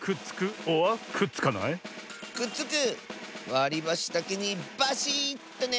わりばしだけにばしっとね！